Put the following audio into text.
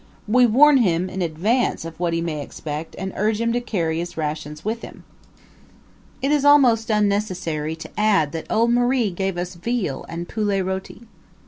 We warn him in advance of what he may expect and urge him to carry his rations with him. It is almost unnecessary to add that old Marie gave us veal and poulet roti.